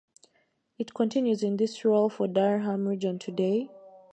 It continues in this role for Durham Region today.